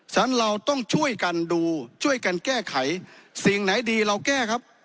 ฉะนั้นเราต้องช่วยกันดูช่วยกันแก้ไขสิ่งไหนดีเราแก้ครับ